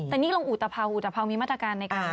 แต่แรงงี้ลงอุตรภาวมีมาตรการในการ